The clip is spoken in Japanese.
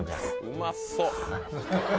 うまそう。